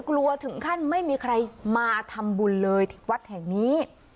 กลัวถึงขั้นไม่มีใครมาทำบุญเลยที่วัดแห่งนี้